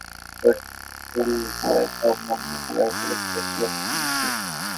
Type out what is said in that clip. ছোট চুল হলে কম, লম্বা হলে অপেক্ষাকৃত বেশি কন্ডিশনার নিতে হবে।